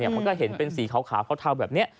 มันก็เห็นเป็นสีขาวเทาแบบนี้